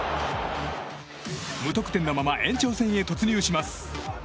無得点のまま延長戦へ突入します。